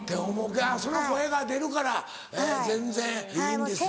その声が出るから全然いいんですよね。